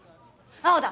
青だ！